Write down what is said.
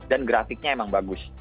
dan grafiknya emang bagus